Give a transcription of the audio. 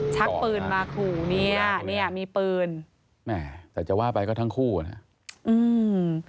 ชักปืนมาขู่เนี้ยเนี้ยมีปืนแม่แต่จะว่าไปก็ทั้งคู่อ่ะอืม